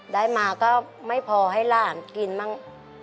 แล้วก็ไม่พอให้ร่างกินมั้ง